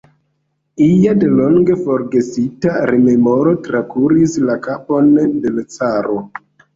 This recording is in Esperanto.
Ia delonge forgesita rememoro trakuris la kapon de l' caro.